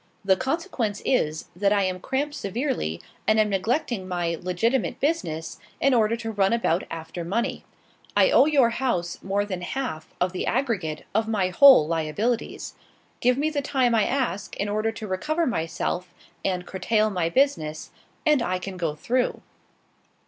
The consequence is, that I am cramped severely, and am neglecting my legitimate business in order to run about after money. I owe your house more than half of the aggregate of my whole liabilities. Give me the time I ask, in order to recover myself and curtail my business, and I can go through."